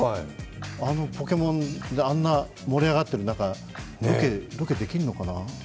あの、ポケモンであんなに盛り上がっている中ロケできるのかな？